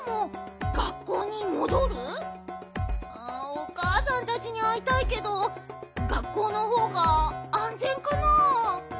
おかあさんたちにあいたいけど学校のほうがあんぜんかなあ。